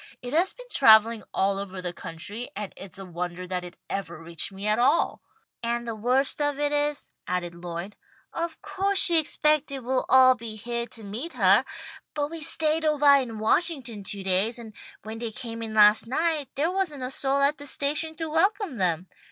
It has been travelling all over the country, and it's a wonder that it ever reached me at all." "And the worst of it is," added Lloyd, "of co'se she expected we'd all be heah to meet her. But we stayed ovah in Washington two days, and when they came in last night there wasn't a soul at the station to welcome them.